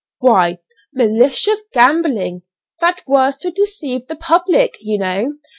"Why, 'malicious gambling.' That was to deceive the public, you know.